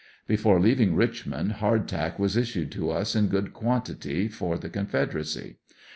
Before leaving Richmond hard tack was issued to us in good quantity for the Confederacy.